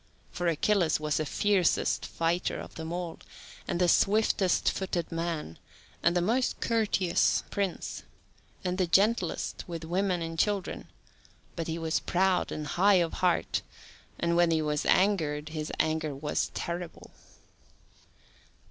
For Achilles was the fiercest fighter of them all, and the swiftest footed man, and the most courteous prince, and the gentlest with women and children, but he was proud and high of heart, and when he was angered his anger was terrible.